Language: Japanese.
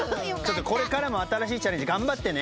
これからも新しいチャレンジ頑張ってね。